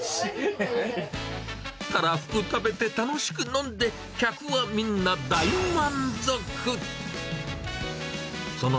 たらふく食べて楽しく飲んで、客はみんな大満足。